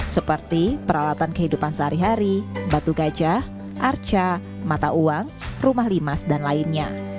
seperti peralatan kehidupan sehari hari batu gajah arca mata uang rumah limas dan lainnya